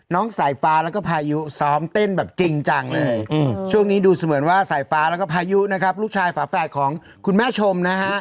สายฟ้าแล้วก็พายุซ้อมเต้นแบบจริงจังเลยช่วงนี้ดูเสมือนว่าสายฟ้าแล้วก็พายุนะครับลูกชายฝาแฝดของคุณแม่ชมนะฮะ